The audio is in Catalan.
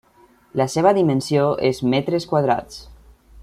La seva dimensió és metres quadrats.